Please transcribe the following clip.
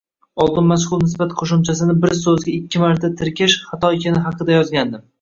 Oldin majhul nisbat qoʻshimchasini bir soʻzga ikki marta tirkash xato ekani haqida yozgandim